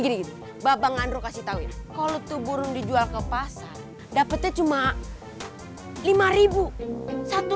gini babang andro kasih tahu kalau tuh burung dijual ke pasar dapetnya cuma rp lima satu